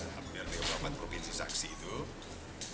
dan kemudian memulai dengan suara yang diperolehkan oleh jenggala center